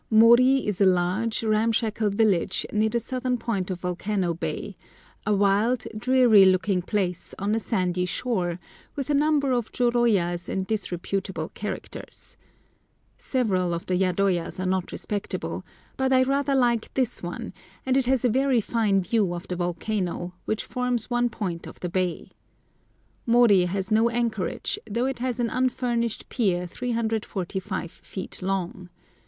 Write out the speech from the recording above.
Mori is a large, ramshackle village, near the southern point of Volcano Bay—a wild, dreary looking place on a sandy shore, with a number of jôrôyas and disreputable characters. Several of the yadoyas are not respectable, but I rather like this one, and it has a very fine view of the volcano, which forms one point of the bay. Mori has no anchorage, though it has an unfinished pier 345 feet long.